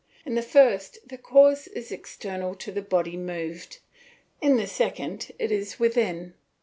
In the first the cause is external to the body moved, in the second it is within.